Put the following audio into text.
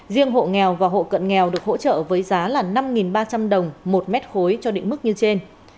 riêng hộ nghèo và hộ cận nghèo được hỗ trợ với giá là năm ba trăm linh đồng một mét khối cho định mức như trên